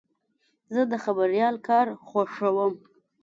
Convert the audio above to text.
زه د خبریال کار خوښوم.